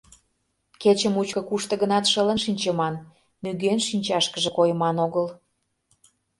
Кече мучко кушто-гынат шылын шинчыман, нигӧн шинчашкыже койман огыл.